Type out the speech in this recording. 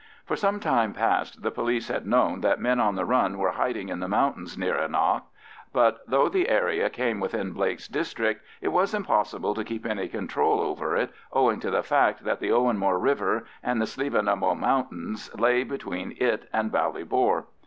For some time past the police had known that men on the run were hiding in the mountains near Annagh; but though the area came within Blake's district, it was impossible to keep any control over it, owing to the fact that the Owenmore river and the Slievenamoe Mountains lay between it and Ballybor.